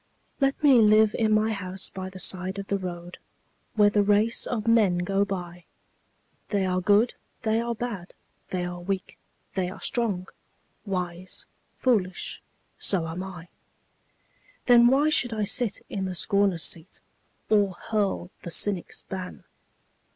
Let me live in my house by the side of the road, Where the race of men go by They are good, they are bad, they are weak, they are strong, Wise, foolish so am I. Then why should I sit in the scorner's seat, Or hurl the cynic's ban?